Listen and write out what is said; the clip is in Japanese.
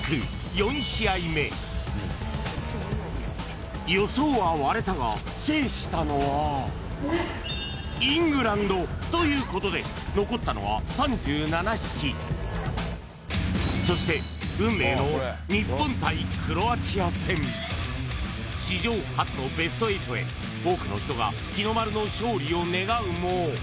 ４試合目予想は割れたが制したのはイングランドということで残ったのは３７匹そして運命の日本対クロアチア戦史上初のベスト８へ結果は皆さん